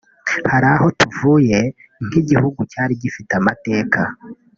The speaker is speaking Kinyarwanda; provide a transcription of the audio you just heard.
Hari aho tuvuye nk’igihugu cyari gifite amateka